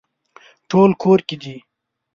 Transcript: ټول کور کې دي